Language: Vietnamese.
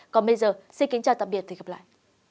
còn bây giờ xin kính chào tạm biệt và hẹn gặp lại